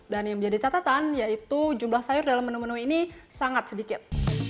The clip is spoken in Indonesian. dan yang menjadi catatan yaitu jumlah sayur dalam menu menu ini sangat sedikit